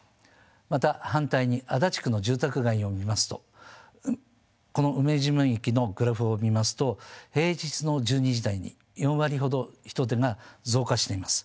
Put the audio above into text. また反対に足立区の住宅街を見ますとこの梅島駅のグラフを見ますと平日の１２時台に４割ほど人出が増加しています。